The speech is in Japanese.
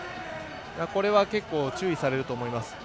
結構注意されると思います。